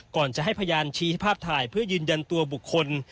ก่อนจะให้พยานชี้ภาพถ่ายเพื่อยืนยันตัวบุคคล